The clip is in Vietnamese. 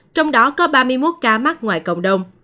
trong đó có ba mươi một ca mắc ngoài cộng đồng